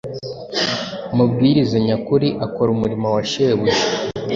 Umubwiriza nyakuri akora umurimo wa Shebuja.